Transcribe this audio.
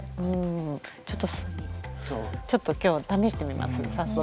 ちょっと今日試してみます早速。